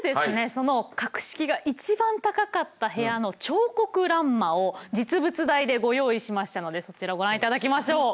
その格式が一番高かった部屋の彫刻欄間を実物大でご用意しましたのでそちらをご覧頂きましょう。